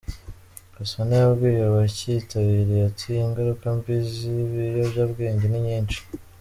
Gasana yabwiye abacyitabiriye ati :" Ingaruka mbi z’ibiyobyabwenge ni nyinshi.